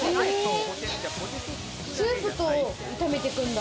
スープと炒めてくんだ。